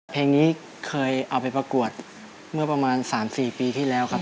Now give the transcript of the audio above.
เพลงนี้เคยเอาไปประกวดเมื่อประมาณ๓๔ปีที่แล้วครับ